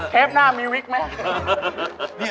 เทปหน้ามีเวี้ยงมั้ย